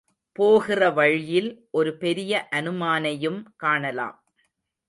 போகிற வழியில் ஒரு பெரிய அனுமானையும் காணலாம்.